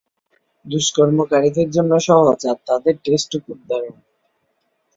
দুষ্কর্মকারীদের জন্য সহজ, আর তাদের টেস্টও খুব দারুণ।